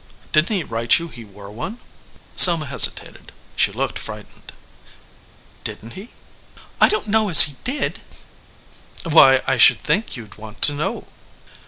"Didn t he write you he wore one ?" Selma hesitated. She looked frightened. "Didn t he?" "I don t know as he did." "Why, I should think you d want to know."